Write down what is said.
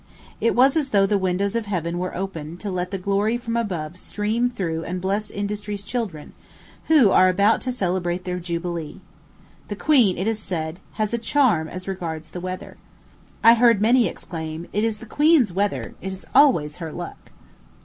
It was as though the windows of heaven were opened to let the glory from above stream through and bless Industry's children, who are about to celebrate their jubilee. The queen, it is said, has a charm as regards the weather. I heard many exclaim, "It is the queen's weather; it is always her luck."